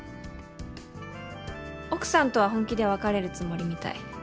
奥さんとは本気で別れるつもりみたい。